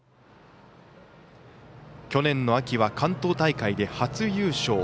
去年の秋は関東大会で初優勝。